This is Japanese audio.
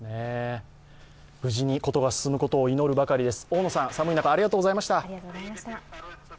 無事に事が進むことを祈るばかりです。